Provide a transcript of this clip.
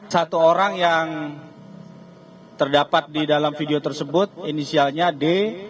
satu orang yang terdapat di dalam video tersebut inisialnya d